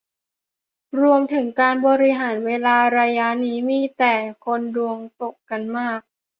รวมถึงการบริหารเวลาระยะนี้มีแต่คนดวงตกกันมาก